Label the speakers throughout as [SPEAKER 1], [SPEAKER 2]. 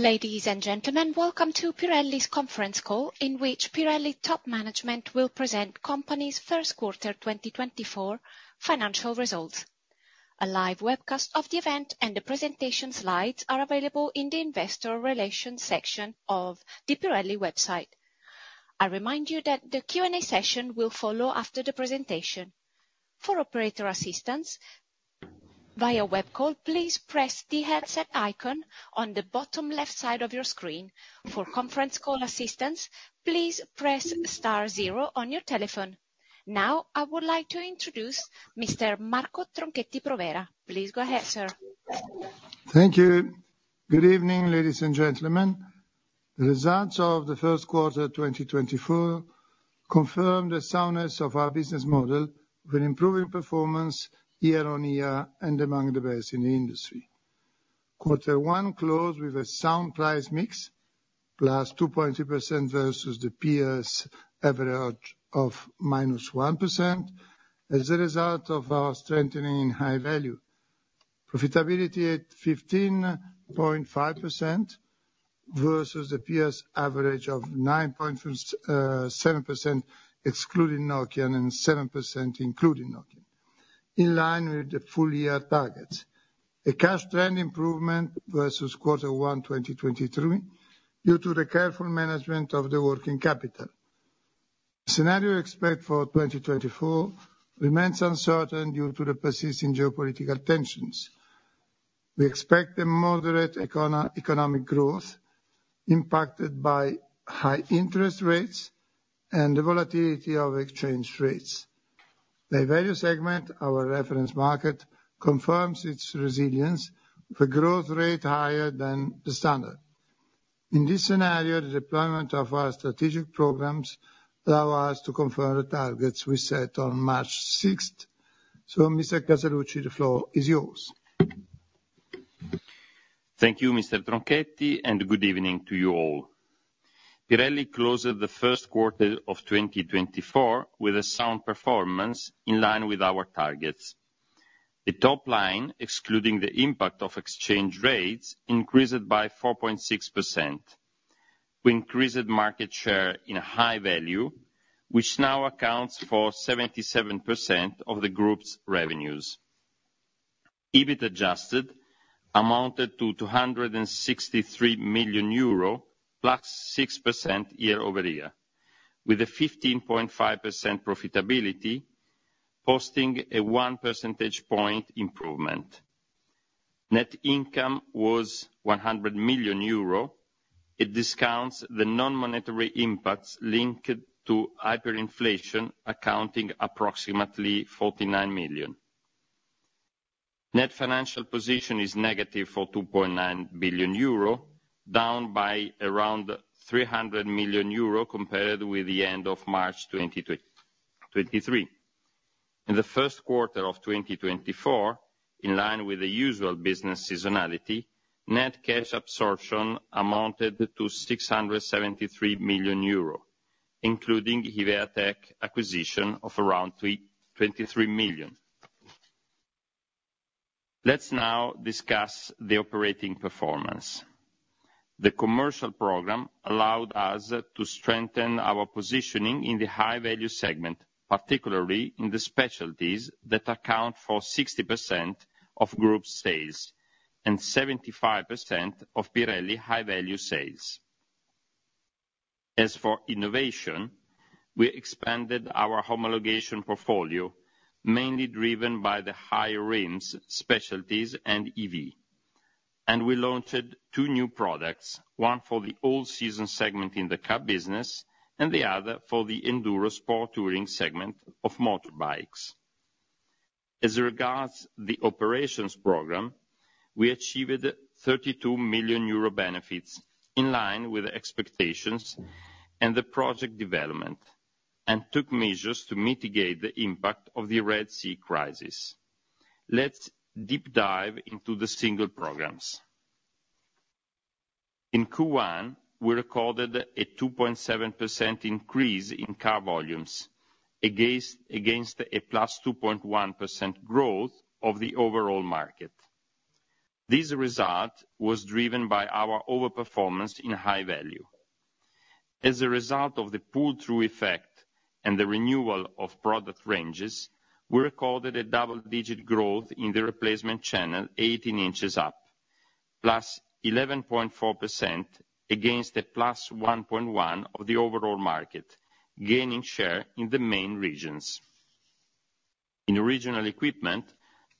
[SPEAKER 1] Ladies and gentlemen, welcome to Pirelli's conference call in which Pirelli top management will present company's first quarter 2024 financial results. A live webcast of the event and the presentation slides are available in the investor relations section of the Pirelli website. I remind you that the Q&A session will follow after the presentation. For operator assistance via web call, please press the headset icon on the bottom left side of your screen. For conference call assistance, please press star zero on your telephone. Now I would like to introduce Mr. Marco Tronchetti Provera. Please go ahead, sir..
[SPEAKER 2] Thank you. Good evening, ladies and gentlemen. The results of the first quarter 2024 confirmed the soundness of our business model with improving performance year-on-year and among the best in the industry. Quarter one closed with a sound price mix, +2.3% versus the PS average of -1% as a result of our strengthening in High Value. Profitability at 15.5% versus the PS average of 9.57% excluding Nokian and 7% including Nokian, in line with the full year targets. A cash trend improvement versus quarter one 2023 due to the careful management of the working capital. Scenario expected for 2024 remains uncertain due to the persisting geopolitical tensions. We expect a moderate economic growth impacted by high interest rates and the volatility of exchange rates. By various segments, our reference market confirms its resilience with a growth rate higher than the Standard. In this scenario, the deployment of our strategic programs allow us to confirm the targets we set on March 6th. So, Mr. Casaluci, the floor is yours.
[SPEAKER 3] Thank you, Mr. Tronchetti, and good evening to you all. Pirelli closed the first quarter of 2024 with a sound performance in line with our targets. The top line, excluding the impact of exchange rates, increased by 4.6%. We increased market share in High Value, which now accounts for 77% of the group's revenues. EBIT adjusted amounted to 263 million euro, plus 6% year-over-year, with a 15.5% profitability posting a one percentage point improvement. Net income was 100 million euro. It discounts the non-monetary impacts linked to hyperinflation, accounting for approximately 49 million. Net financial position is negative for 2.9 billion euro, down by around 300 million euro compared with the end of March 2023. In the first quarter of 2024, in line with the usual business seasonality, net cash absorption amounted to 673 million euro, including Hevea-Tec acquisition of around 23 million. Let's now discuss the operating performance. The commercial program allowed us to strengthen our positioning in the High Value segment, particularly in the Specialties that account for 60% of group sales and 75% of Pirelli High Value sales. As for innovation, we expanded our homologation portfolio, mainly driven by the higher rims, Specialties, and EV. We launched two new products, one for the all-season segment in the CAB business and the other for the enduro sport touring segment of motorbikes. As regards the operations program, we achieved 32 million euro benefits in line with expectations and the project development, and took measures to mitigate the impact of the Red Sea crisis. Let's deep dive into the single programs. In Q1, we recorded a 2.7% increase in CAB volumes against a +2.1% growth of the overall market. This result was driven by our overperformance in High Value. As a result of the pull-through effect and the renewal of product ranges, we recorded a double-digit growth in the replacement channel 18 inches up, +11.4% against a +1.1% of the overall market, gaining share in the main regions. In original equipment,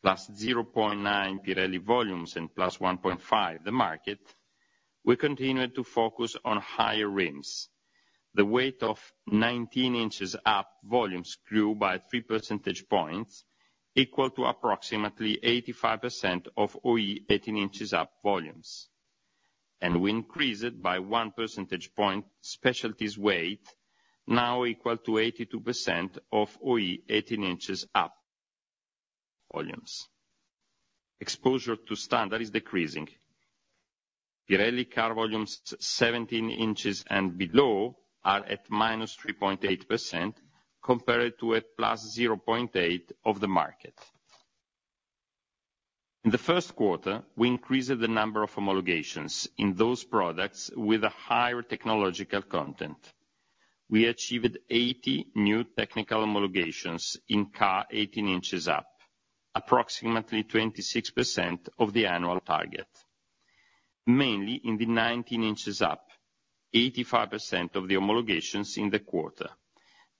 [SPEAKER 3] +0.9% Pirelli volumes and +1.5% the market, we continued to focus on higher rims. The weight of 19 inches up volumes grew by 3 percentage points, equal to approximately 85% of OE 18 inches up volumes. We increased it by 1 percentage point specialties weight, now equal to 82% of OE 18 inches up volumes. Exposure to standard is decreasing. Pirelli CAB volumes 17 inches and below are at -3.8% compared to a +0.8% of the market. In the first quarter, we increased the number of homologations in those products with a higher technological content. We achieved 80 new technical homologations in CAB 18 inches up, approximately 26% of the annual target. Mainly in the 19 inches up, 85% of the homologations in the quarter,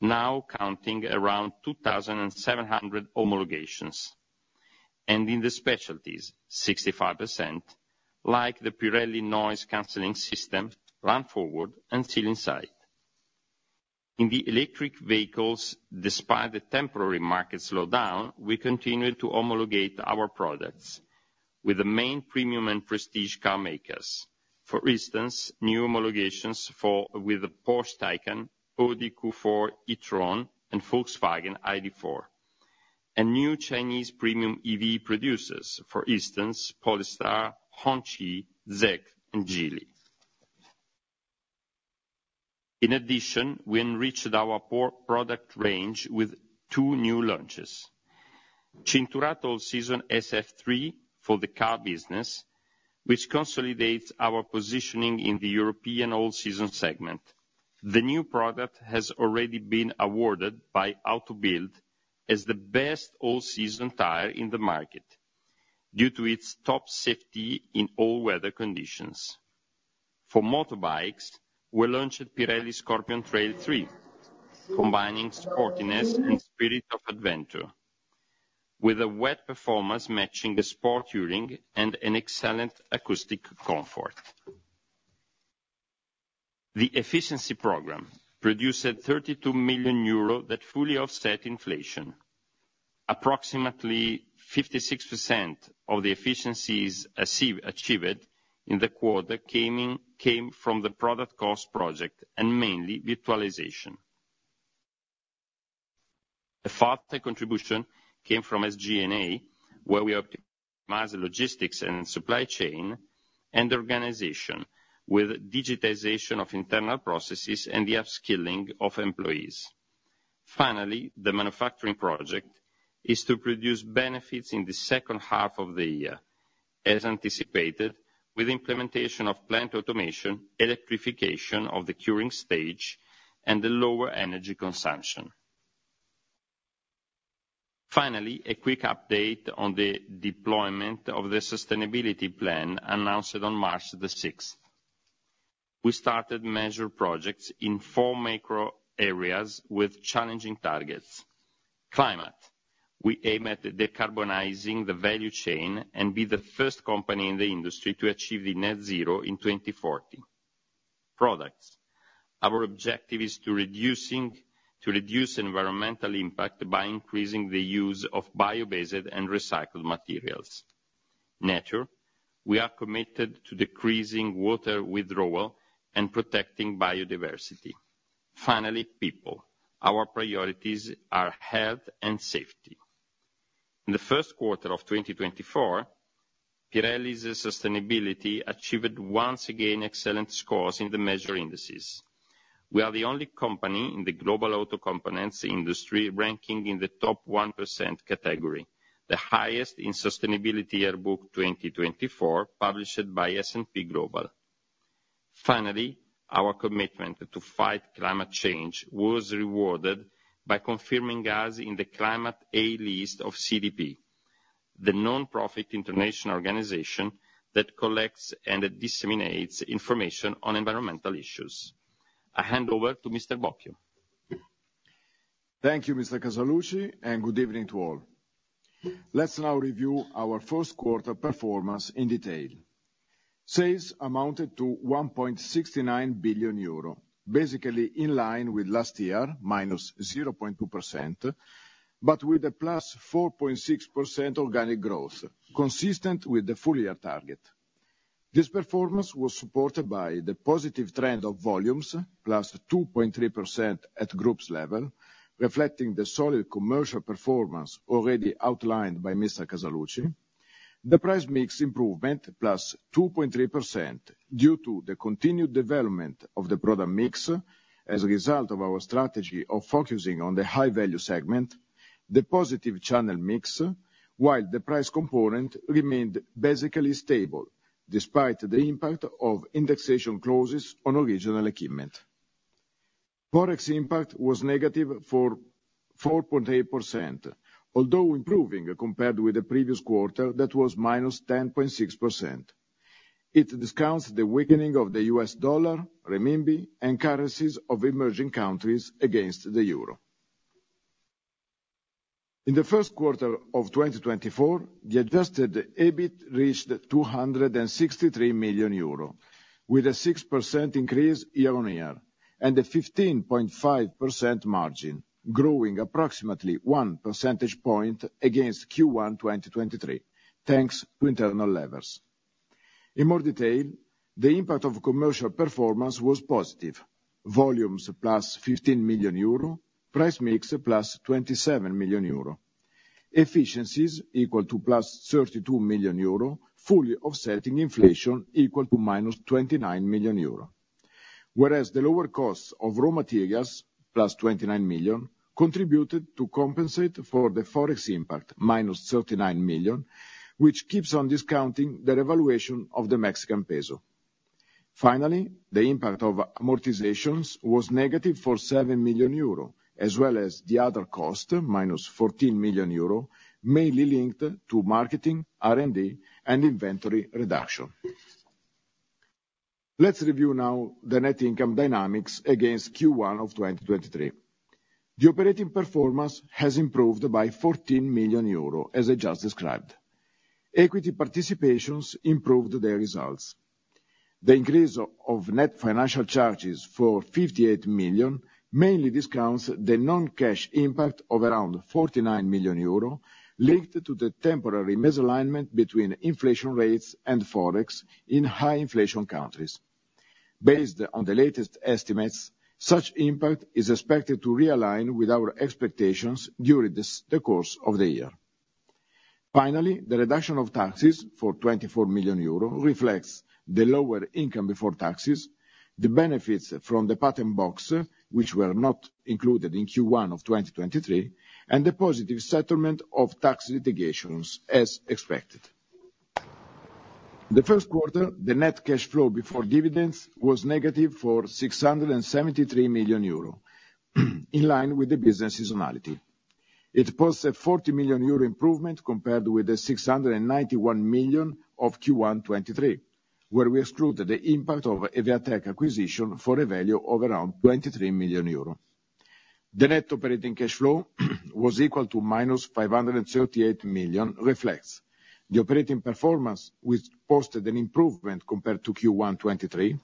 [SPEAKER 3] now counting around 2,700 homologations. In the specialties, 65%, like the Pirelli Noise Cancelling System, RunForward and Seal Inside. In the electric vehicles, despite the temporary market slowdown, we continued to homologate our products with the main premium and prestige CAB makers. For instance, new homologations for the Porsche Taycan, Audi Q4 e-tron, and Volkswagen ID.4. New Chinese premium EV producers, for instance, Polestar, Hongqi, Zeekr, and Geely. In addition, we enriched our product range with 2 new launches: Cinturato All-Season SF3 for the CAB business, which consolidates our positioning in the European all-season segment. The new product has already been awarded by Auto Bild as the best all-season tire in the market due to its top safety in all weather conditions. For motorbikes, we launched Pirelli Scorpion Trail III, combining sportiness and spirit of adventure, with a wet performance matching a sport touring and an excellent acoustic comfort. The efficiency program produced 32 million euros that fully offset inflation. Approximately 56% of the efficiencies achieved in the quarter came from the product cost project and mainly virtualization. A fourth contribution came from SG&A, where we optimized logistics and supply chain and organization with digitization of internal processes and the upskilling of employees. Finally, the manufacturing project is to produce benefits in the second half of the year, as anticipated, with implementation of plant automation, electrification of the curing stage, and the lower energy consumption. Finally, a quick update on the deployment of the sustainability plan announced on March 6th. We started major projects in four macro areas with challenging targets. Climate: we aim at decarbonizing the value chain and be the first company in the industry to achieve the net zero in 2040. Products: our objective is to reduce environmental impact by increasing the use of bio-based and recycled materials. Nature: we are committed to decreasing water withdrawal and protecting biodiversity. Finally, people: our priorities are health and safety. In the first quarter of 2024, Pirelli's sustainability achieved once again excellent scores in the major indices. We are the only company in the global auto components industry ranking in the top 1% category, the highest in Sustainability Yearbook 2024 published by S&P Global. Finally, our commitment to fight climate change was rewarded by confirming us in the Climate A List of CDP, the nonprofit international organization that collects and disseminates information on environmental issues. I hand over to Mr. Bocchio.
[SPEAKER 4] Thank you, Mr. Casaluci, and good evening to all. Let's now review our first quarter performance in detail. Sales amounted to 1.69 billion euro, basically in line with last year -0.2%, but with a +4.6% organic growth, consistent with the full year target. This performance was supported by the positive trend of volumes, +2.3% at groups level, reflecting the solid commercial performance already outlined by Mr. Casaluci. The price/mix improvement, +2.3% due to the continued development of the product mix as a result of our strategy of focusing on the High Value segment. The positive channel mix, while the price component remained basically stable despite the impact of indexation closes on original equipment. Forex impact was negative for -4.8%, although improving compared with the previous quarter that was -10.6%. It discounts the weakening of the US dollar, renminbi, and currencies of emerging countries against the euro. In the first quarter of 2024, the adjusted EBIT reached 263 million euro, with a 6% increase year-on-year and a 15.5% margin, growing approximately one percentage point against Q1 2023, thanks to internal levers. In more detail, the impact of commercial performance was positive: volumes + 15 million euro, price/mix + 27 million euro. Efficiencies equal to + 32 million euro, fully offsetting inflation equal to - 29 million euro. Whereas the lower costs of raw materials, + 29 million, contributed to compensate for the forex impact, - 39 million, which keeps on discounting the revaluation of the Mexican peso. Finally, the impact of amortizations was negative for 7 million euro, as well as the other cost, - 14 million euro, mainly linked to marketing, R&D, and inventory reduction. Let's review now the net income dynamics against Q1 of 2023. The operating performance has improved by 14 million euro, as I just described. Equity participations improved their results. The increase of net financial charges for 58 million mainly discounts the non-cash impact of around 49 million euro linked to the temporary misalignment between inflation rates and forex in high inflation countries. Based on the latest estimates, such impact is expected to realign with our expectations during the course of the year. Finally, the reduction of taxes for 24 million euros reflects the lower income before taxes, the benefits from the patent box, which were not included in Q1 of 2023, and the positive settlement of tax litigations, as expected. The first quarter, the net cash flow before dividends was negative for 673 million euro, in line with the business seasonality. It posts a 40 million euro improvement compared with the 691 million of Q1 2023, where we excluded the impact of Hevea-Tec acquisition for a value of around 23 million euro. The net operating cash flow was equal to minus 538 million, reflects: the operating performance, which posted an improvement compared to Q1 2023,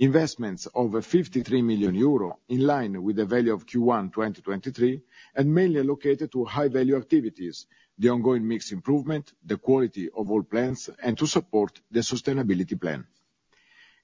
[SPEAKER 4] investments of 53 million euro, in line with the value of Q1 2023, and mainly allocated to high value activities, the ongoing mix improvement, the quality of all plants, and to support the sustainability plan.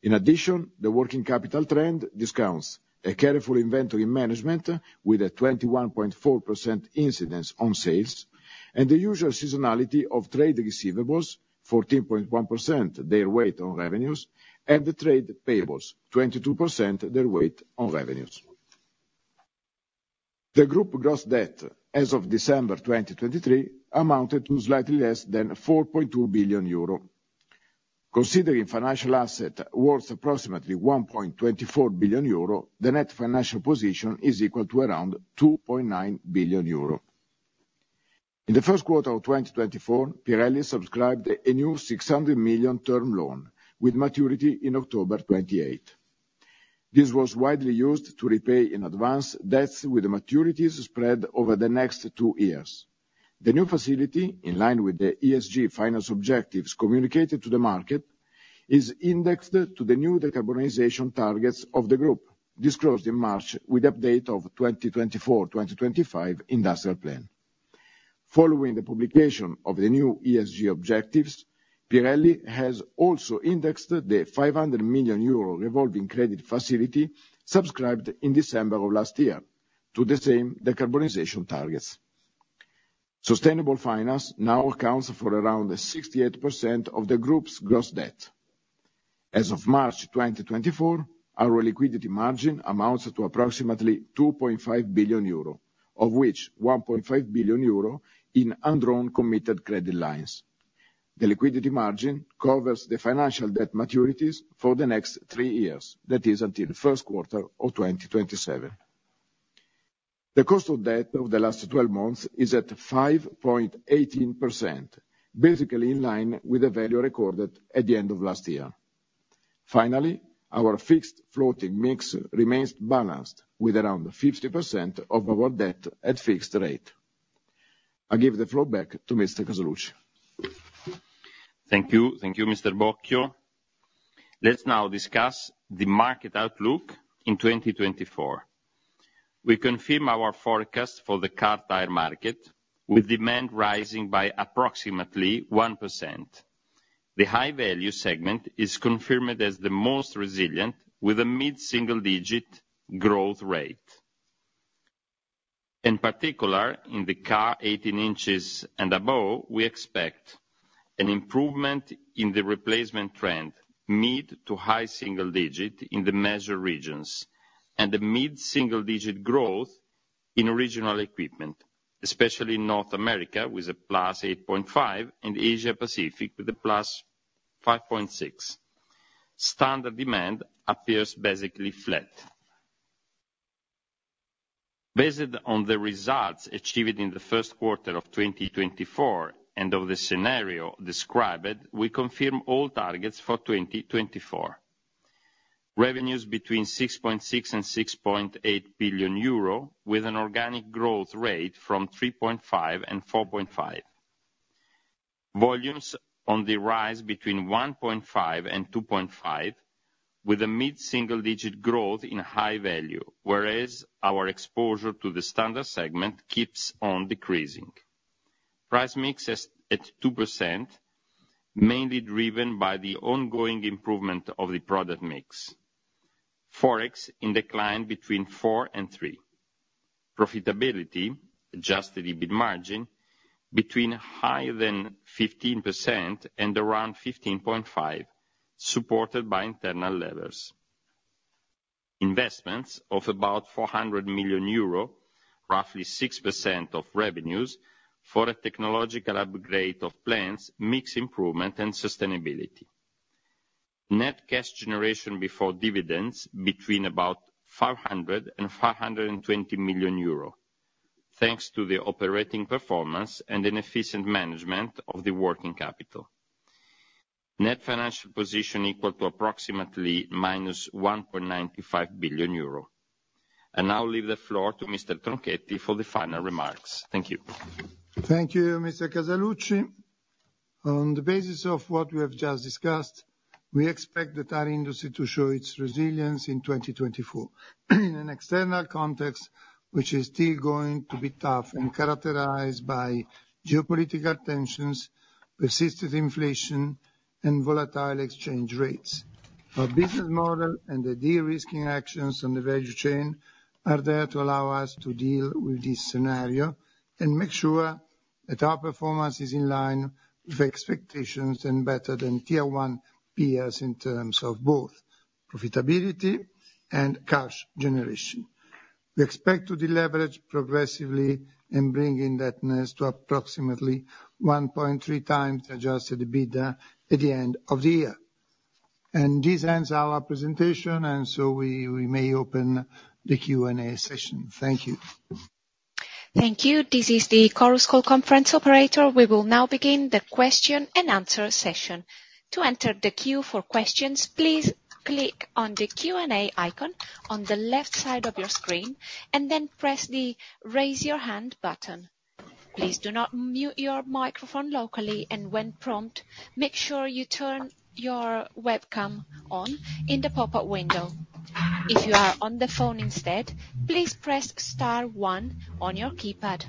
[SPEAKER 4] In addition, the working capital trend discounts: a careful inventory management with a 21.4% incidence on sales, and the usual seasonality of trade receivables, 14.1% their weight on revenues, and trade payables, 22% their weight on revenues. The group gross debt, as of December 2023, amounted to slightly less than 4.2 billion euro. Considering financial assets worth approximately 1.24 billion euro, the net financial position is equal to around 2.9 billion euro. In the first quarter of 2024, Pirelli subscribed a new 600 million term loan, with maturity in October 2028. This was widely used to repay in advance debts with maturities spread over the next two years. The new facility, in line with the ESG finance objectives communicated to the market, is indexed to the new decarbonization targets of the group, disclosed in March with the update of 2024-2025 industrial plan. Following the publication of the new ESG objectives, Pirelli has also indexed the 500 million euro revolving credit facility subscribed in December of last year to the same decarbonization targets. Sustainable finance now accounts for around 68% of the group's gross debt. As of March 2024, our liquidity margin amounts to approximately 2.5 billion euro, of which 1.5 billion euro in undrawn committed credit lines. The liquidity margin covers the financial debt maturities for the next three years, that is, until first quarter of 2027. The cost of debt of the last 12 months is at 5.18%, basically in line with the value recorded at the end of last year. Finally, our fixed floating mix remains balanced with around 50% of our debt at fixed rate. I give the floor back to Mr. Casaluci.
[SPEAKER 3] Thank you. Thank you, Mr. Bocchio. Let's now discuss the market outlook in 2024. We confirm our forecast for the car tire market, with demand rising by approximately 1%. The high value segment is confirmed as the most resilient, with a mid-single digit growth rate. In particular, in the CAB 18 inches and above, we expect: an improvement in the replacement trend, mid to high single digit in the mature regions; and a mid-single digit growth in original equipment, especially in North America with a +8.5 and Asia-Pacific with a +5.6. Standard demand appears basically flat. Based on the results achieved in the first quarter of 2024 and of the scenario described, we confirm all targets for 2024: revenues between 6.6 billion and 6.8 billion euro, with an organic growth rate from 3.5% and 4.5%. Volumes on the rise between 1.5% and 2.5%, with a mid-single digit growth in High Value, whereas our exposure to the Standard segment keeps on decreasing. Price mix at 2%, mainly driven by the ongoing improvement of the product mix. Forex in decline between 4% and 3%. Profitability, adjusted EBIT margin, between higher than 15% and around 15.5%, supported by internal levers. Investments of about 400 million euro, roughly 6% of revenues, for a technological upgrade of plants, mix improvement, and sustainability. Net cash generation before dividends between about 500 million euro and 520 million euro, thanks to the operating performance and an efficient management of the working capital. Net financial position equal to approximately -1.95 billion euro. I now leave the floor to Mr. Tronchetti for the final remarks. Thank you.
[SPEAKER 2] Thank you, Mr. Casaluci. On the basis of what we have just discussed, we expect the tire industry to show its resilience in 2024, in an external context which is still going to be tough and characterized by geopolitical tensions, persistent inflation, and volatile exchange rates. Our business model and the de-risking actions on the value chain are there to allow us to deal with this scenario and make sure that our performance is in line with expectations and better than Tier 1 peers in terms of both profitability and cash generation. We expect to deleverage progressively and bring indebtedness to approximately 1.3x the adjusted EBITDA at the end of the year. This ends our presentation, and so we may open the Q&A session. Thank you.
[SPEAKER 1] Thank you. This is the Chorus Call Conference operator. We will now begin the question and answer session. To enter the queue for questions, please click on the Q&A icon on the left side of your screen and then press the "Raise Your Hand" button. Please do not mute your microphone locally, and when prompted, make sure you turn your webcam on in the pop-up window. If you are on the phone instead, please press star one on your keypad.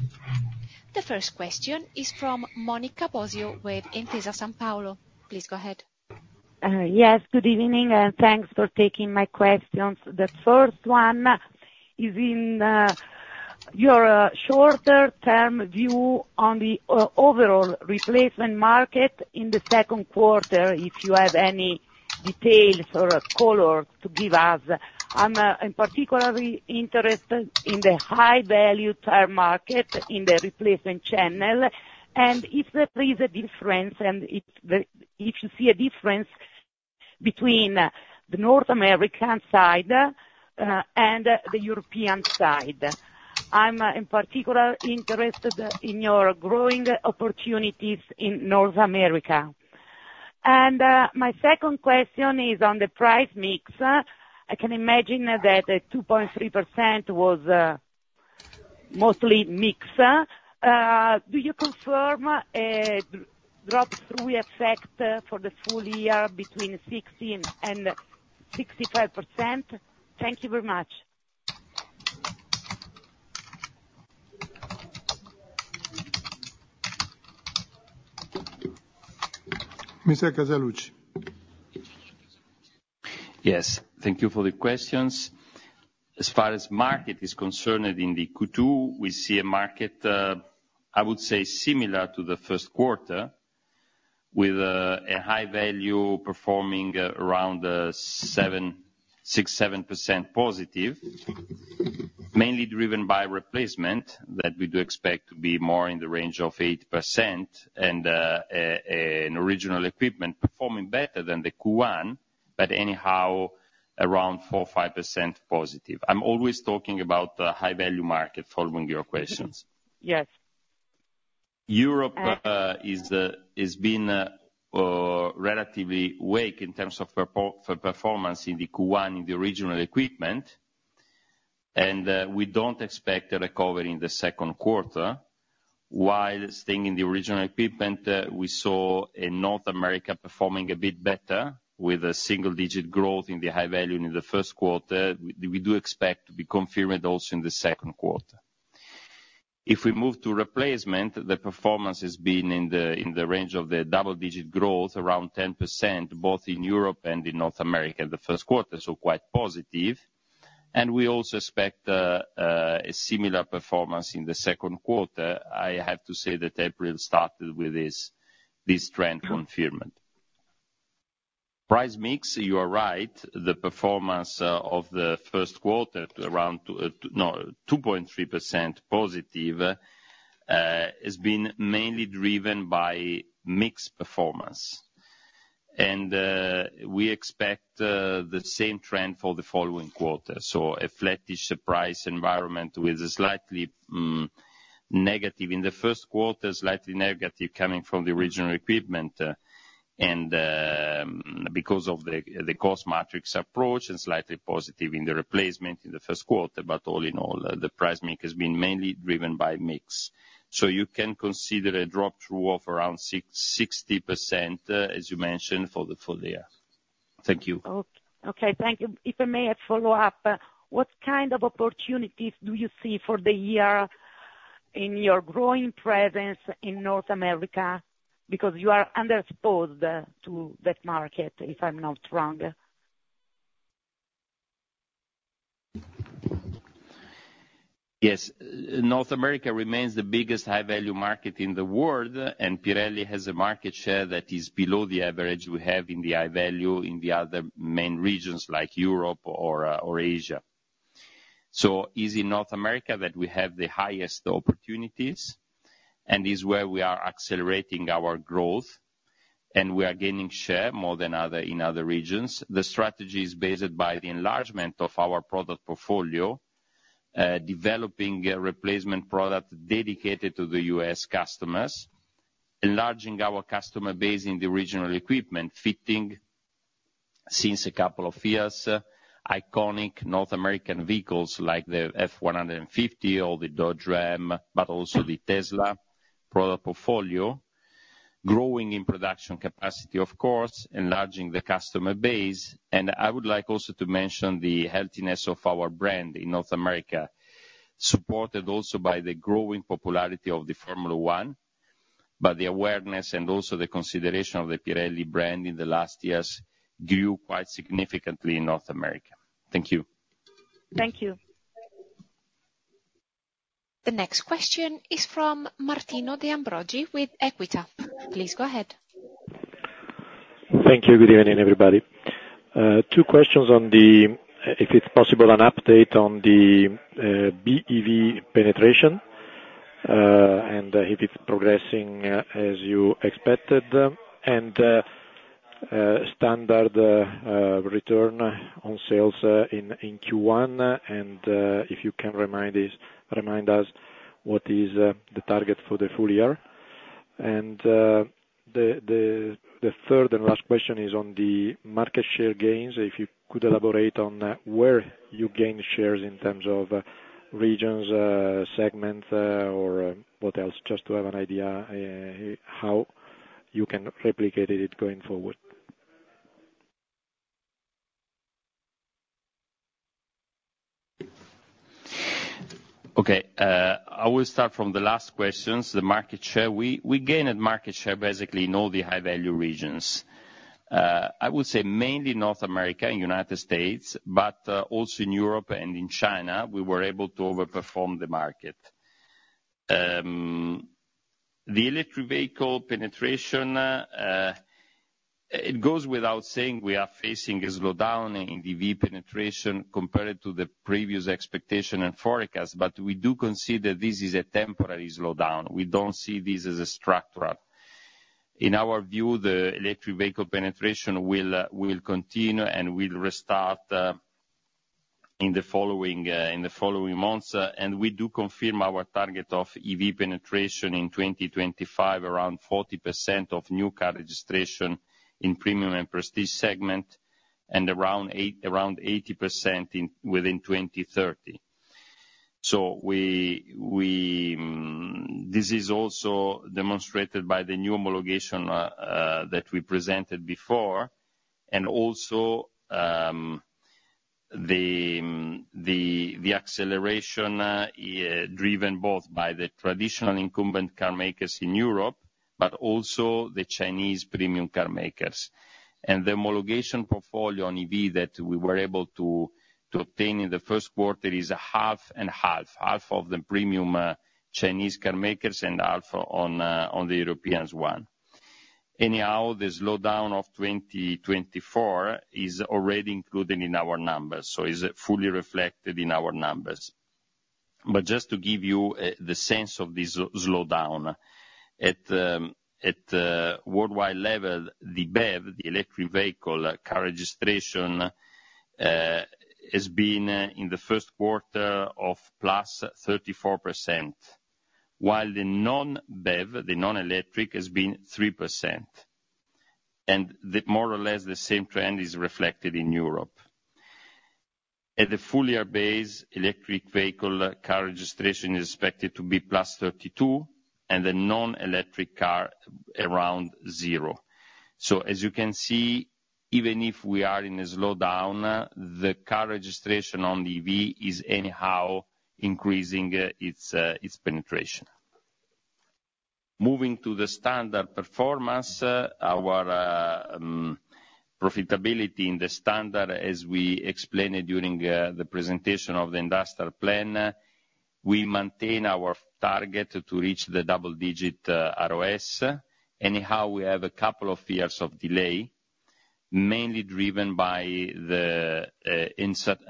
[SPEAKER 1] The first question is from Monica Bosio with Intesa Sanpaolo. Please go ahead.
[SPEAKER 5] Yes. Good evening, and thanks for taking my questions. The first one is on your shorter-term view on the overall replacement market in the second quarter, if you have any details or color to give us. I'm particularly interested in the High Value tire market in the replacement channel, and if there is a difference, and if you see a difference between the North American side and the European side. I'm particularly interested in your growing opportunities in North America. And my second question is on the price/mix. I can imagine that 2.3% was mostly mix. Do you confirm a drop-through effect for the full year between 60% and 65%? Thank you very much.
[SPEAKER 2] Mr. Casaluci.
[SPEAKER 3] Yes. Thank you for the questions. As far as market is concerned in the Q2, we see a market, I would say, similar to the first quarter, with a high value performing around 6%-7% positive, mainly driven by replacement that we do expect to be more in the range of 8% and an original equipment performing better than the Q2, but anyhow around 4%-5% positive. I'm always talking about the high value market, following your questions.
[SPEAKER 5] Yes.
[SPEAKER 3] Europe has been relatively weak in terms of performance in the Q1 OE, in the original equipment, and we don't expect a recovery in the second quarter. While staying in the original equipment, we saw North America performing a bit better with a single-digit growth in the High Value in the first quarter. We do expect to be confirmed also in the second quarter. If we move to replacement, the performance has been in the range of the double-digit growth, around 10%, both in Europe and in North America in the first quarter, so quite positive. And we also expect a similar performance in the second quarter. I have to say that April started with this trend confirmed. Price/mix, you are right. The performance of the first quarter, around 2.3% positive, has been mainly driven by mix performance. We expect the same trend for the following quarter, so a flattish price environment with a slightly negative in the first quarter, slightly negative coming from the original equipment, and because of the cost matrix approach, and slightly positive in the replacement in the first quarter. All in all, the price mix has been mainly driven by mix. You can consider a drop-through of around 60%, as you mentioned, for the full year. Thank you.
[SPEAKER 5] Okay. Thank you. If I may follow up, what kind of opportunities do you see for the year in your growing presence in North America? Because you are underexposed to that market, if I'm not wrong.
[SPEAKER 3] Yes. North America remains the biggest high value market in the world, and Pirelli has a market share that is below the average we have in the high value in the other main regions like Europe or Asia. So it's in North America that we have the highest opportunities, and it's where we are accelerating our growth, and we are gaining share more than in other regions. The strategy is based by the enlargement of our product portfolio, developing a replacement product dedicated to the U.S. customers, enlarging our customer base in the original equipment, fitting, since a couple of years, iconic North American vehicles like the F-150 or the Dodge Ram, but also the Tesla product portfolio, growing in production capacity, of course, enlarging the customer base. I would like also to mention the healthiness of our brand in North America, supported also by the growing popularity of the Formula One. But the awareness and also the consideration of the Pirelli brand in the last years grew quite significantly in North America. Thank you.
[SPEAKER 5] Thank you.
[SPEAKER 1] The next question is from Martino De Ambrogio with Equita. Please go ahead.
[SPEAKER 6] Thank you. Good evening, everybody. Two questions on the if it's possible an update on the BEV penetration, and if it's progressing as you expected, and standard return on sales in Q1, and if you can remind us what is the target for the full year. The third and last question is on the market share gains, if you could elaborate on where you gain shares in terms of regions, segments, or what else, just to have an idea how you can replicate it going forward.
[SPEAKER 3] Okay. I will start from the last questions, the market share. We gained market share basically in all the high value regions, I would say mainly North America and United States, but also in Europe and in China. We were able to outperform the market. The electric vehicle penetration, it goes without saying we are facing a slowdown in EV penetration compared to the previous expectation and forecast, but we do consider this is a temporary slowdown. We don't see this as a structural. In our view, the electric vehicle penetration will continue and will restart in the following months. We do confirm our target of EV penetration in 2025, around 40% of new car registration in premium and prestige segment, and around 80% within 2030. So this is also demonstrated by the new homologation that we presented before, and also the acceleration driven both by the traditional incumbent car makers in Europe, but also the Chinese premium car makers. And the homologation portfolio on EV that we were able to obtain in the first quarter is half and half, half of the premium Chinese car makers and half on the European ones. Anyhow, the slowdown of 2024 is already included in our numbers, so it's fully reflected in our numbers. But just to give you the sense of this slowdown, at worldwide level, the BEV, the electric vehicle car registration, has been, in the first quarter, +34%, while the non-BEV, the non-electric, has been 3%. And more or less the same trend is reflected in Europe. At the full-year base, electric vehicle car registration is expected to be +32%, and the non-electric car around zero. So as you can see, even if we are in a slowdown, the car registration on the EV is anyhow increasing its penetration. Moving to the standard performance, our profitability in the standard, as we explained it during the presentation of the industrial plan, we maintain our target to reach the double-digit ROS. Anyhow, we have a couple of years of delay, mainly driven by the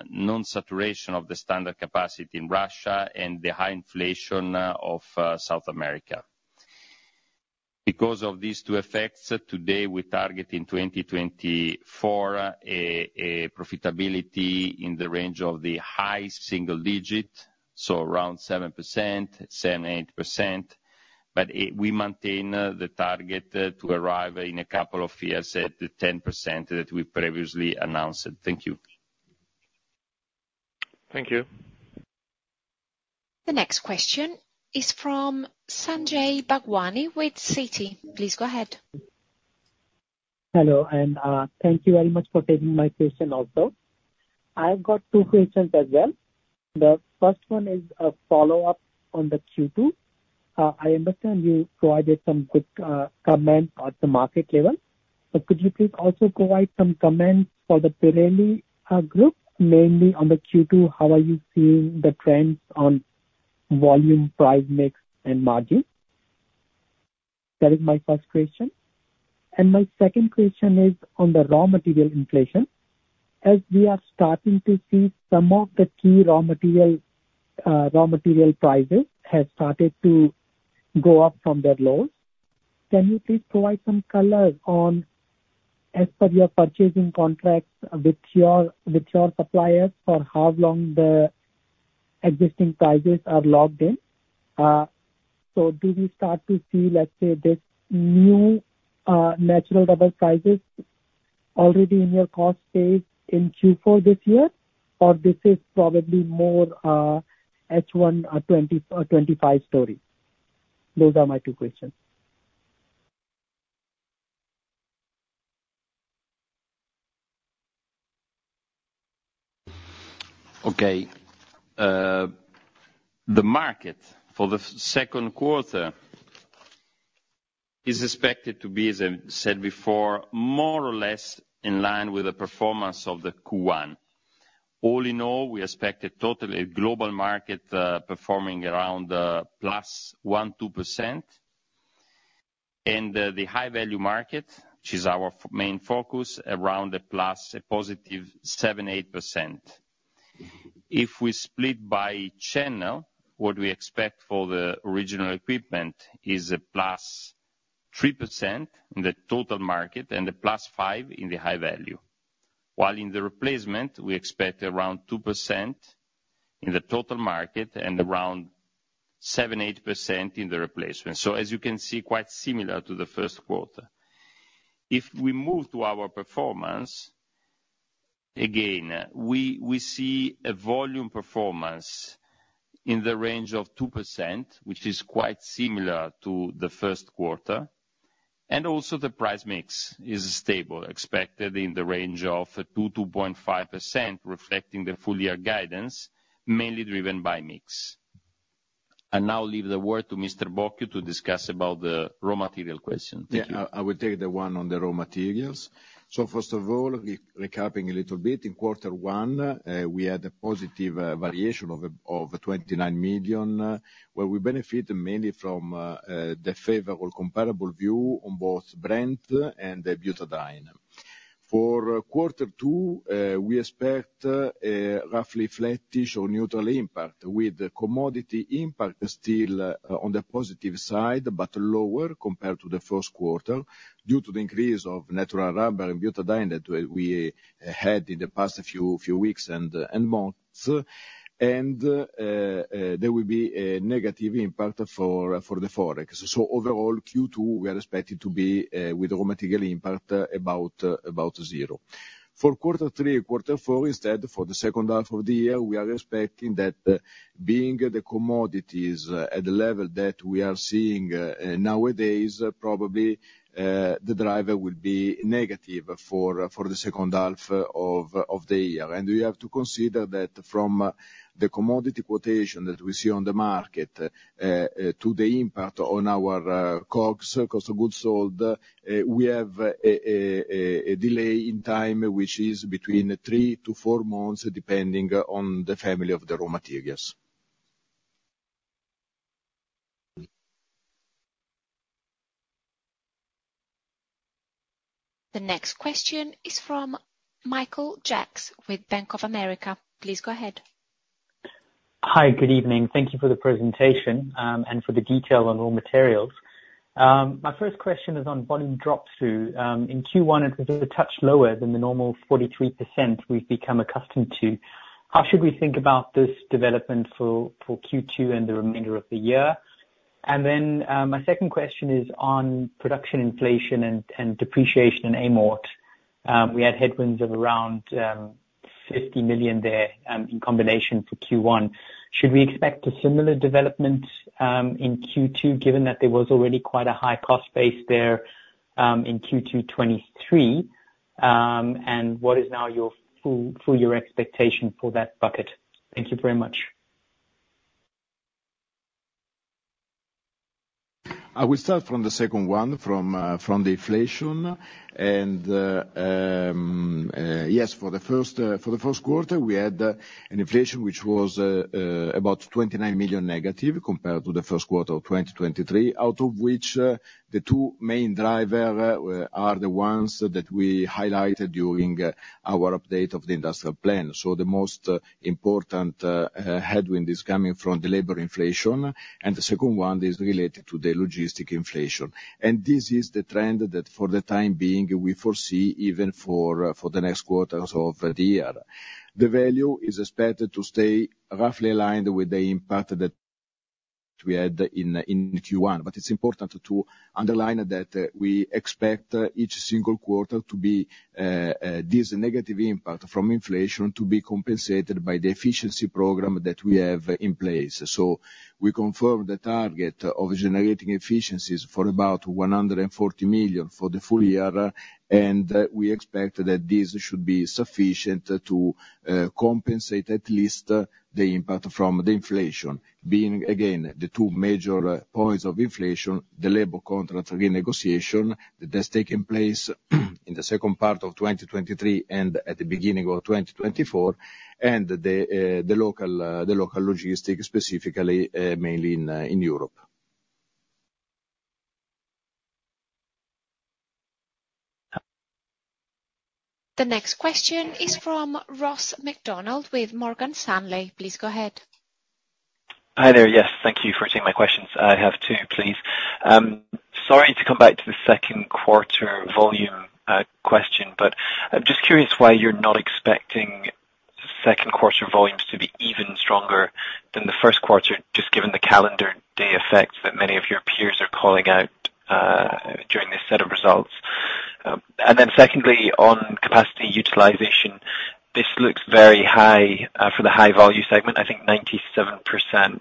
[SPEAKER 3] non-saturation of the standard capacity in Russia and the high inflation of South America. Because of these two effects, today we target in 2024 a profitability in the range of the high single-digit, so around 7%, 7%-8%. But we maintain the target to arrive in a couple of years at the 10% that we previously announced. Thank you.
[SPEAKER 6] Thank you.
[SPEAKER 1] The next question is from Sanjay Bhagwani with Citi. Please go ahead.
[SPEAKER 7] Hello, and thank you very much for taking my question also. I have got two questions as well. The first one is a follow-up on the Q2. I understand you provided some good comments at the market level, but could you please also provide some comments for the Pirelli Group, mainly on the Q2? How are you seeing the trends on volume, price mix, and margin? That is my first question. And my second question is on the raw material inflation. As we are starting to see some of the key raw material prices have started to go up from their lows, can you please provide some color as per your purchasing contracts with your suppliers for how long the existing prices are locked in? Do we start to see, let's say, these new natural rubber prices already in your cost space in Q4 this year, or this is probably more H1 or 25 story? Those are my two questions.
[SPEAKER 3] Okay. The market for the second quarter is expected to be, as I said before, more or less in line with the performance of the Q1. All in all, we expected totally a global market performing around +1% +2%. And the High Value market, which is our main focus, around a + positive 7% 8%. If we split by channel, what we expect for the Original Equipment is a +3% in the total market and a +5% in the High Value, while in the Replacement, we expect around 2% in the total market and around 7% 8% in the Replacement. So as you can see, quite similar to the first quarter. If we move to our performance, again, we see a volume performance in the range of 2%, which is quite similar to the first quarter. Also the price mix is stable, expected in the range of 2%-2.5%, reflecting the full year guidance, mainly driven by mix. I now leave the word to Mr. Bocchio to discuss about the raw material question. Thank you.
[SPEAKER 4] Yeah. I would take the one on the raw materials. So first of all, recapping a little bit, in quarter one, we had a positive variation of 29 million, where we benefited mainly from the favorable comparable view on both Brent and Butadiene. For quarter two, we expect a roughly flattish or neutral impact, with commodity impact still on the positive side but lower compared to the first quarter due to the increase of natural rubber and Butadiene that we had in the past few weeks and months. And there will be a negative impact for the Forex. So overall, Q2, we are expecting to be with raw material impact about zero. For quarter three and quarter four, instead, for the second half of the year, we are expecting that being the commodities at the level that we are seeing nowadays, probably the driver will be negative for the second half of the year. We have to consider that from the commodity quotation that we see on the market to the impact on our COGS, cost of goods sold, we have a delay in time, which is between 3 to 4 months, depending on the family of the raw materials.
[SPEAKER 1] The next question is from Michael Jacks with Bank of America. Please go ahead.
[SPEAKER 8] Hi. Good evening. Thank you for the presentation and for the detail on raw materials. My first question is on volume drop-through. In Q1, it was a touch lower than the normal 43% we've become accustomed to. How should we think about this development for Q2 and the remainder of the year? And then my second question is on production inflation and depreciation and amortization. We had headwinds of around 50 million there in combination for Q1. Should we expect a similar development in Q2, given that there was already quite a high cost base there in Q2 2023? And what is now your full year expectation for that bucket? Thank you very much.
[SPEAKER 4] I will start from the second one, from the inflation. Yes, for the first quarter, we had an inflation which was about negative 29 million compared to the first quarter of 2023, out of which the two main drivers are the ones that we highlighted during our update of the industrial plan. The most important headwind is coming from the labor inflation, and the second one is related to the logistic inflation. This is the trend that, for the time being, we foresee even for the next quarters of the year. The value is expected to stay roughly aligned with the impact that we had in Q1, but it's important to underline that we expect each single quarter to be this negative impact from inflation to be compensated by the efficiency program that we have in place. So we confirm the target of generating efficiencies for about 140 million for the full year, and we expect that this should be sufficient to compensate at least the impact from the inflation, being, again, the two major points of inflation: the labor contract renegotiation that has taken place in the second part of 2023 and at the beginning of 2024, and the local logistics, specifically mainly in Europe.
[SPEAKER 1] The next question is from Ross MacDonald with Morgan Stanley. Please go ahead.
[SPEAKER 9] Hi there. Yes, thank you for taking amy questions. I have two, please. Sorry to come back to the second quarter volume question, but I'm just curious why you're not expecting second quarter volumes to be even stronger than the first quarter, just given the calendar day effects that many of your peers are calling out during this set of results. And then secondly, on capacity utilization, this looks very high for the high value segment, I think 97%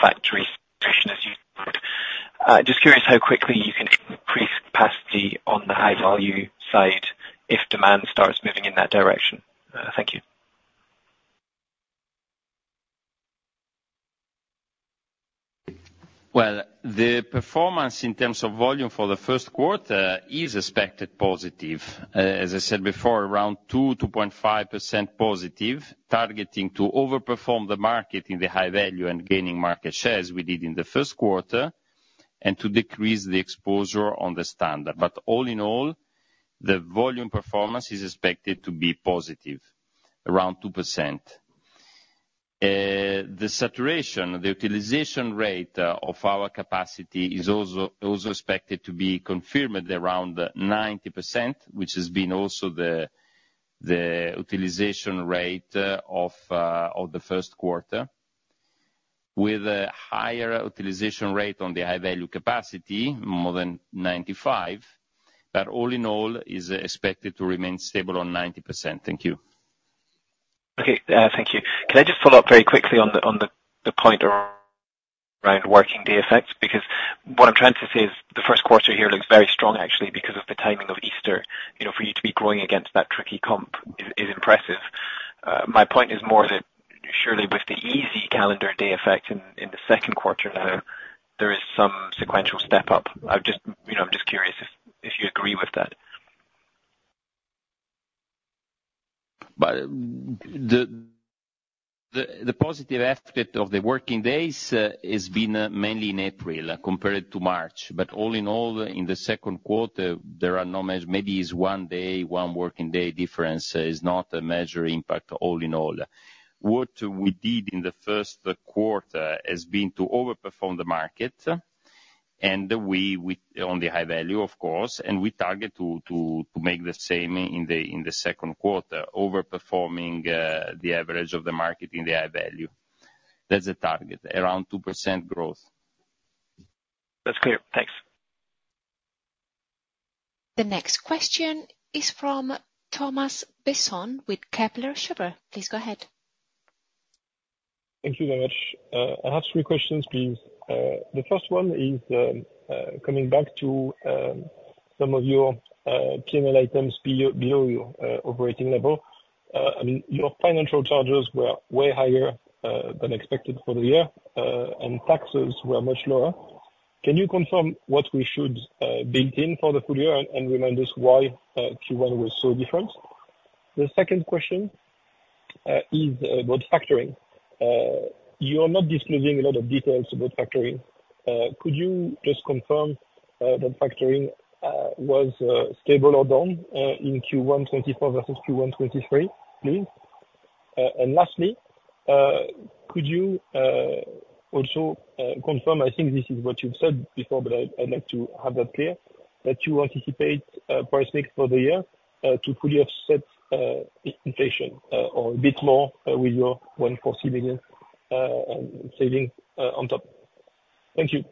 [SPEAKER 9] factory situation as usual. Just curious how quickly you can increase capacity on the high value side if demand starts moving in that direction. Thank you.
[SPEAKER 3] Well, the performance in terms of volume for the first quarter is expected positive. As I said before, around 2%-2.5% positive, targeting to overperform the market in the High Value and gaining market shares we did in the first quarter, and to decrease the exposure on the Standard. But all in all, the volume performance is expected to be positive, around 2%. The saturation, the utilization rate of our capacity is also expected to be confirmed around 90%, which has been also the utilization rate of the first quarter, with a higher utilization rate on the High Value capacity, more than 95%. But all in all, it is expected to remain stable on 90%. Thank you.
[SPEAKER 9] Okay. Thank you. Can I just follow up very quickly on the point around working day effects? Because what I'm trying to say is the first quarter here looks very strong, actually, because of the timing of Easter. For you to be growing against that tricky comp is impressive. My point is more that surely with the easy calendar day effect in the second quarter now, there is some sequential step-up. I'm just curious if you agree with that.
[SPEAKER 3] But the positive effect of the working days has been mainly in April compared to March. But all in all, in the second quarter, there are no major; maybe it's one day, one working day difference is not a major impact all in all. What we did in the first quarter has been to overperform the market, and we on the high value, of course, and we target to make the same in the second quarter, overperforming the average of the market in the high value. That's the target, around 2% growth.
[SPEAKER 9] That's clear. Thanks.
[SPEAKER 1] The next question is from Thomas Besson with Kepler Cheuvreux. Please go ahead.
[SPEAKER 10] Thank you very much. I have three questions, please. The first one is coming back to some of your P&L items below your operating level. I mean, your financial charges were way higher than expected for the year, and taxes were much lower. Can you confirm what we should build in for the full year and remind us why Q1 was so different? The second question is about factoring. You are not disclosing a lot of details about factoring. Could you just confirm that factoring was stable or down in Q1 2024 versus Q1 2023, please? And lastly, could you also confirm I think this is what you've said before, but I'd like to have that clear, that you anticipate price mix for the year to fully offset inflation or a bit more with your 140 million savings on top? Thank you.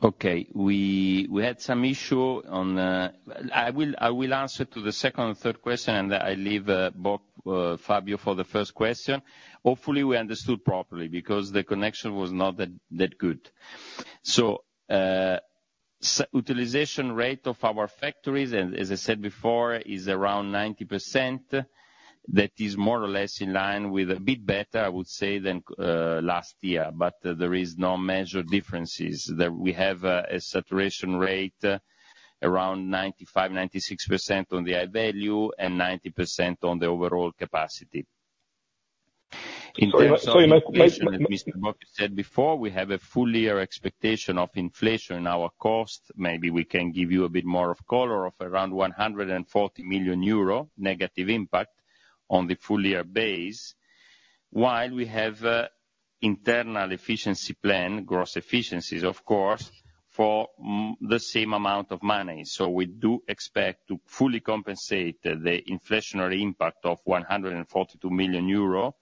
[SPEAKER 3] Okay. We had some issue. I will answer to the second and third question, and I leave Fabio for the first question. Hopefully, we understood properly because the connection was not that good. So utilization rate of our factories, as I said before, is around 90%. That is more or less in line with a bit better, I would say, than last year. But there are no major differences. We have a saturation rate around 95%-96% on the High Value and 90% on the overall capacity. In terms of.
[SPEAKER 10] So you might.
[SPEAKER 3] As Mr. Bocchio said before, we have a full year expectation of inflation in our cost. Maybe we can give you a bit more of color of around 140 million euro negative impact on the full year base, while we have an internal efficiency plan, gross efficiencies, of course, for the same amount of money. So we do expect to fully compensate the inflationary impact of 142 million euro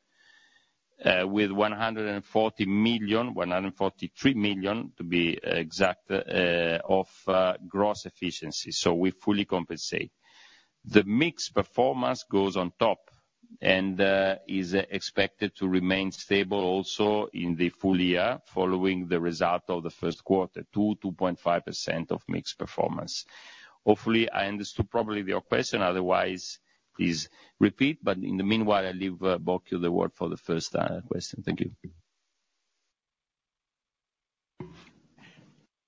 [SPEAKER 3] with 140 million, 143 million to be exact, of gross efficiency. So we fully compensate. The mixed performance goes on top and is expected to remain stable also in the full year following the result of the first quarter, 2%-2.5% of mixed performance. Hopefully, I understood properly your question. Otherwise, please repeat. But in the meanwhile, I leave Bocchio the word for the first question. Thank you.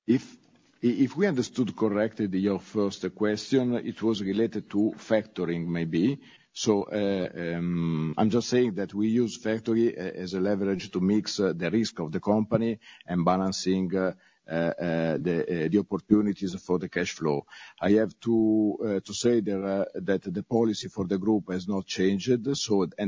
[SPEAKER 4] If we understood correctly your first question, it was related to factoring, maybe. So I'm just saying that we use factoring as a leverage to mitigate the risk of the company and balancing the opportunities for the cash flow. I have to say that the policy for the group has not changed, and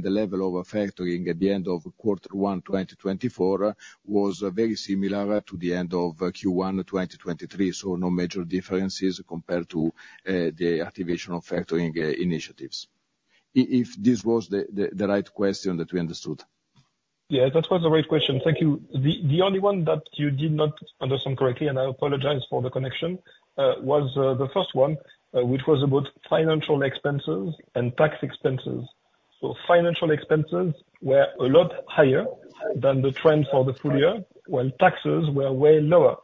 [SPEAKER 4] the level of factoring at the end of quarter one 2024 was very similar to the end of Q1 2023. So no major differences compared to the activation of factoring initiatives, if this was the right question that we understood.
[SPEAKER 10] Yeah, that was a great question. Thank you. The only one that you did not understand correctly, and I apologize for the connection, was the first one, which was about financial expenses and tax expenses. So financial expenses were a lot higher than the trend for the full year, while taxes were way lower.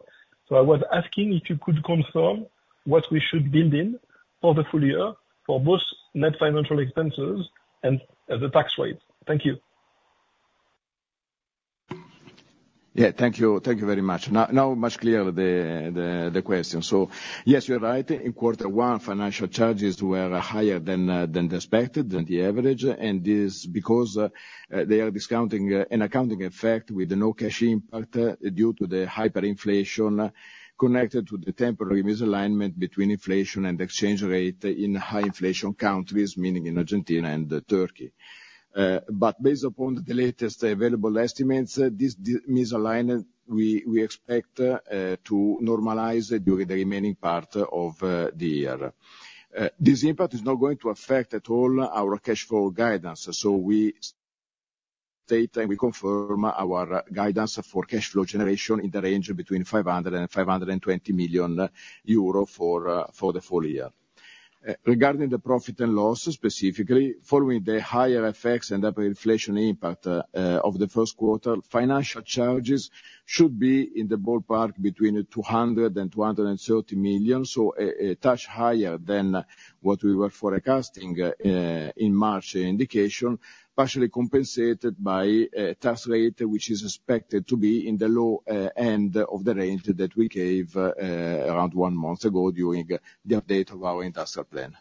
[SPEAKER 10] So I was asking if you could confirm what we should build in for the full year for both net financial expenses and the tax rates. Thank you.
[SPEAKER 4] Yeah. Thank you very much. Now much clearer the question. So yes, you're right. In quarter one, financial charges were higher than expected, than the average, and this is because they are discounting an accounting effect with no cash impact due to the hyperinflation connected to the temporary misalignment between inflation and exchange rate in high-inflation countries, meaning in Argentina and Turkey. But based upon the latest available estimates, this misalignment we expect to normalize during the remaining part of the year. This impact is not going to affect at all our cash flow guidance. So we state and we confirm our guidance for cash flow generation in the range between 500 million euro and 520 million euro for the full year. Regarding the profit and loss, specifically, following the higher effects and hyperinflation impact of the first quarter, financial charges should be in the ballpark between 200 million and 230 million, so a touch higher than what we were forecasting in March indication, partially compensated by a tax rate which is expected to be in the low end of the range that we gave around one month ago during the update of our industrial plan.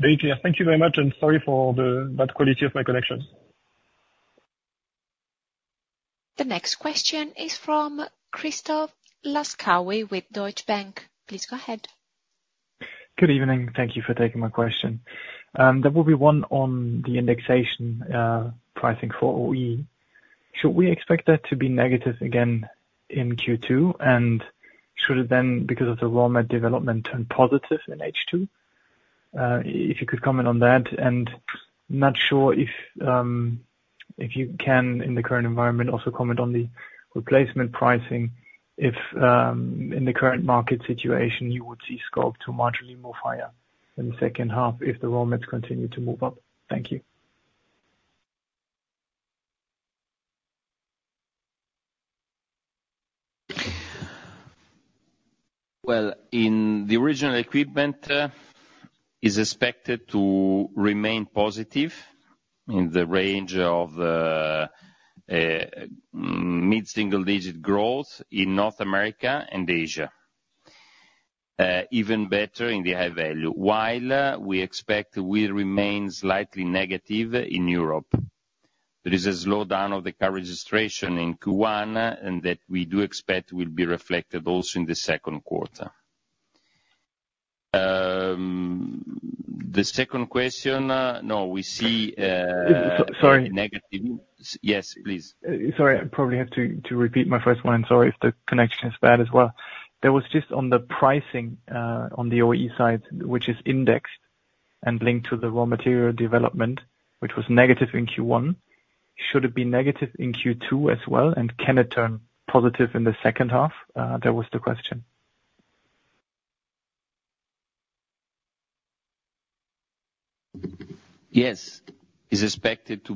[SPEAKER 10] Thank you. Thank you very much, and sorry for that quality of my connection.
[SPEAKER 1] The next question is from Christoph Laskawi with Deutsche Bank. Please go ahead.
[SPEAKER 11] Good evening. Thank you for taking my question. There will be one on the indexation pricing for OE. Should we expect that to be negative again in Q2, and should it then, because of the raw mat development, turn positive in H2? If you could comment on that. And not sure if you can, in the current environment, also comment on the replacement pricing, if in the current market situation, you would see scope to marginally move higher in the second half if the raw mats continue to move up. Thank you.
[SPEAKER 3] Well, in the original equipment, it is expected to remain positive in the range of mid-single digit growth in North America and Asia, even better in the High Value, while we expect it will remain slightly negative in Europe. There is a slowdown of the car registration in Q1, and that we do expect will be reflected also in the second quarter. The second question, no, we see.
[SPEAKER 11] Sorry.
[SPEAKER 3] Negative. Yes, please.
[SPEAKER 11] Sorry. I probably have to repeat my first one. Sorry if the connection is bad as well. There was just on the pricing on the OE side, which is indexed and linked to the raw material development, which was negative in Q1. Should it be negative in Q2 as well, and can it turn positive in the second half? That was the question.
[SPEAKER 3] Yes. It is expected to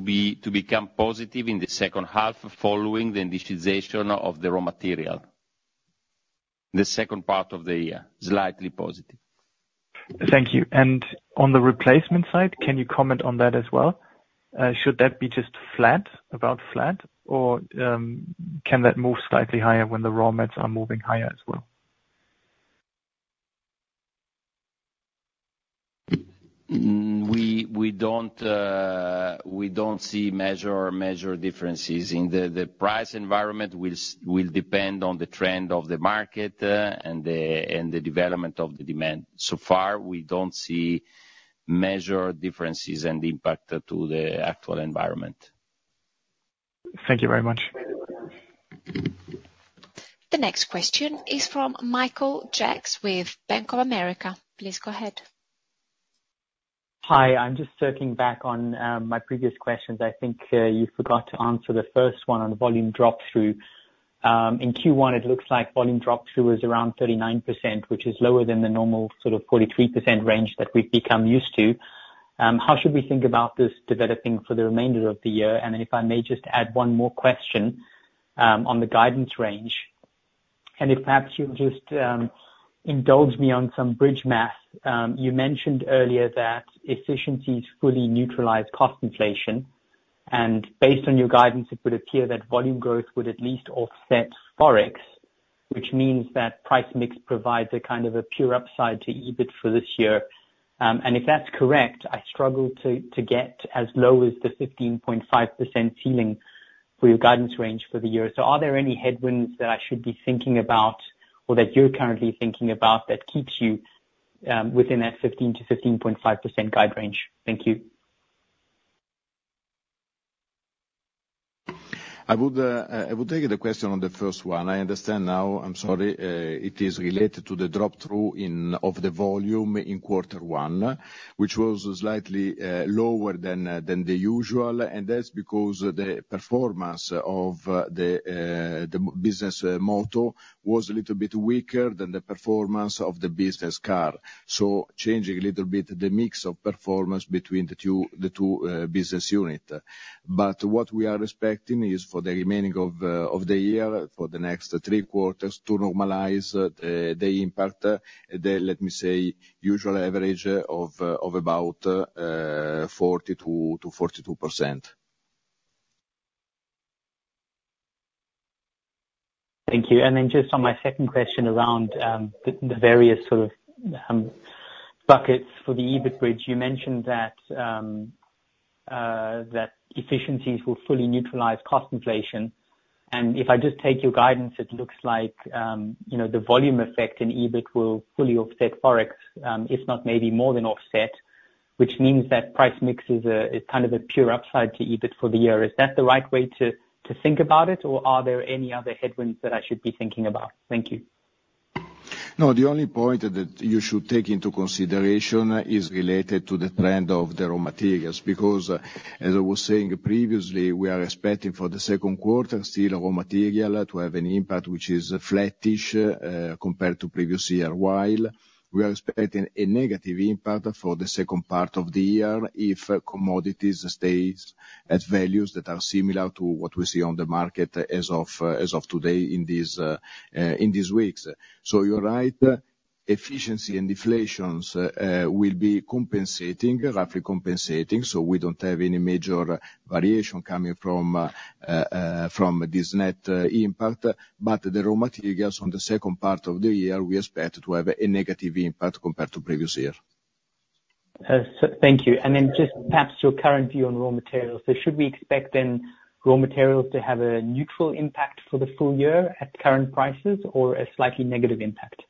[SPEAKER 3] become positive in the second half following the initialization of the raw material, the second part of the year, slightly positive.
[SPEAKER 11] Thank you. And on the replacement side, can you comment on that as well? Should that be just flat, about flat, or can that move slightly higher when the raw mats are moving higher as well?
[SPEAKER 3] We don't see major differences. The price environment will depend on the trend of the market and the development of the demand. So far, we don't see major differences and impact to the actual environment.
[SPEAKER 11] Thank you very much.
[SPEAKER 1] The next question is from Michael Jacks with Bank of America. Please go ahead.
[SPEAKER 8] Hi. I'm just circling back on my previous questions. I think you forgot to answer the first one on volume drop-through. In Q1, it looks like volume drop-through was around 39%, which is lower than the normal sort of 43% range that we've become used to. How should we think about this developing for the remainder of the year? And then if I may just add one more question on the guidance range, and if perhaps you'll just indulge me on some bridge math. You mentioned earlier that efficiencies fully neutralize cost inflation, and based on your guidance, it would appear that volume growth would at least offset Forex, which means that price mix provides a kind of a pure upside to EBIT for this year. And if that's correct, I struggle to get as low as the 15.5% ceiling for your guidance range for the year. Are there any headwinds that I should be thinking about or that you're currently thinking about that keeps you within that 15% to 15.5% guide range? Thank you.
[SPEAKER 4] I would take the question on the first one. I understand now, I'm sorry, it is related to the flow-through of the volume in quarter one, which was slightly lower than the usual. And that's because the performance of the business moto was a little bit weaker than the performance of the business car, so changing a little bit the mix of performance between the two business units. But what we are expecting is for the remainder of the year, for the next three quarters, to normalize the impact, let me say, usual average of about 40% to 42%.
[SPEAKER 8] Thank you. Then just on my second question around the various sort of buckets for the EBIT bridge, you mentioned that efficiencies will fully neutralize cost inflation. And if I just take your guidance, it looks like the volume effect in EBIT will fully offset Forex, if not maybe more than offset, which means that price mix is kind of a pure upside to EBIT for the year. Is that the right way to think about it, or are there any other headwinds that I should be thinking about? Thank you.
[SPEAKER 4] No, the only point that you should take into consideration is related to the trend of the raw materials because, as I was saying previously, we are expecting for the second quarter still raw material to have an impact which is flattish compared to previous year, while we are expecting a negative impact for the second part of the year if commodities stay at values that are similar to what we see on the market as of today in these weeks. So you're right. Efficiency and deflations will be compensating, roughly compensating, so we don't have any major variation coming from this net impact. But the raw materials on the second part of the year, we expect to have a negative impact compared to previous year.
[SPEAKER 8] Thank you. And then just perhaps your current view on raw materials. So should we expect then raw materials to have a neutral impact for the full year at current prices or a slightly negative impact?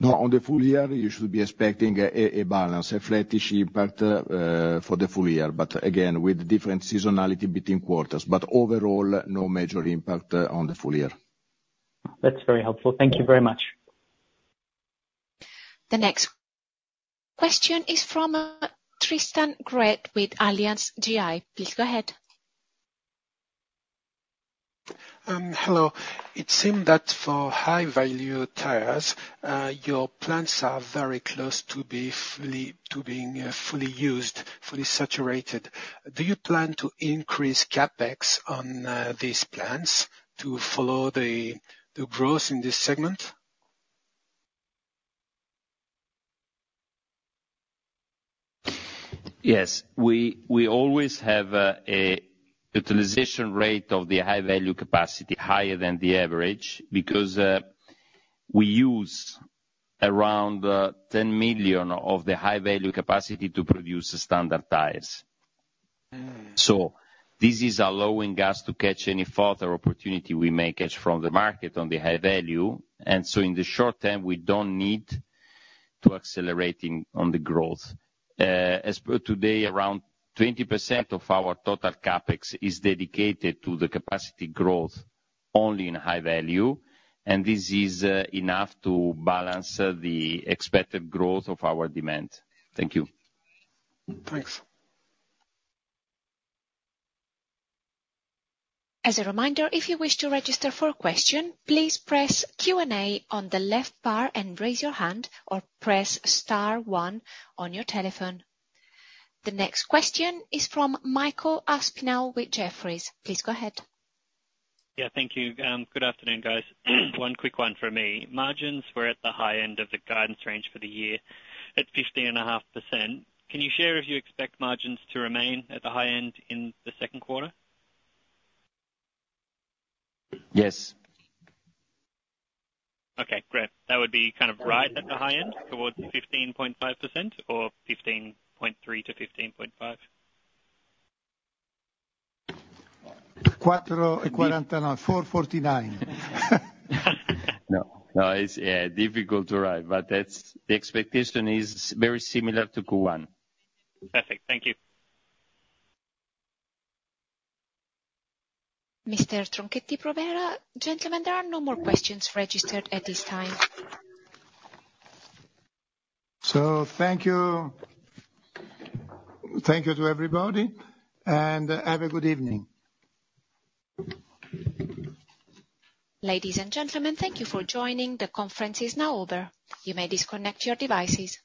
[SPEAKER 4] No, on the full year, you should be expecting a balance, a flattish impact for the full year, but again, with different seasonality between quarters. But overall, no major impact on the full year.
[SPEAKER 8] That's very helpful. Thank you very much.
[SPEAKER 1] The next question is from Tristan Gresser with Allianz GI. Please go ahead.
[SPEAKER 12] Hello. It seemed that for high-value tires, your plants are very close to being fully used, fully saturated. Do you plan to increase CapEx on these plants to follow the growth in this segment?
[SPEAKER 3] Yes. We always have a utilization rate of the High Value capacity higher than the average because we use around 10 million of the High Value capacity to produce Standard tires. So this is allowing us to catch any further opportunity we may catch from the market on the High Value. And so in the short term, we don't need to accelerate on the growth. As per today, around 20% of our total CapEx is dedicated to the capacity growth only in High Value, and this is enough to balance the expected growth of our demand. Thank you.
[SPEAKER 12] Thanks.
[SPEAKER 1] As a reminder, if you wish to register for a question, please press Q&A on the left bar and raise your hand, or press star one on your telephone. The next question is from Michael Aspinall with Jefferies. Please go ahead.
[SPEAKER 13] Yeah. Thank you. Good afternoon, guys. One quick one from me. Margins, we're at the high end of the guidance range for the year at 15.5%. Can you share if you expect margins to remain at the high end in the second quarter?
[SPEAKER 3] Yes.
[SPEAKER 13] Okay. Great. That would be kind of right at the high end towards 15.5% or 15.3% to 15.5%?
[SPEAKER 10] 4.49.
[SPEAKER 3] No. No. It's, yeah, difficult to write, but the expectation is very similar to Q1.
[SPEAKER 13] Perfect. Thank you.
[SPEAKER 1] Mr. Tronchetti Provera. Gentlemen, there are no more questions registered at this time.
[SPEAKER 2] Thank you. Thank you to everybody, and have a good evening.
[SPEAKER 1] Ladies and gentlemen, thank you for joining. The conference is now over. You may disconnect your devices.